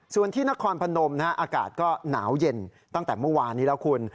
ส่วนที่นครพนมอากาศก็หนาวเย็นตั้งแต่เมื่อวานนี้แล้วคุณ